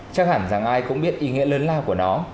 chắc hẳn rằng ai cũng biết ý nghĩa lớn lao của nó